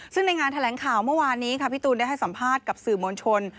ซึ่งในงานแถลงข่าวเมื่อวานนี้ค่ะพี่ตูนได้ให้สัมภาษณ์กับสื่อมวลชน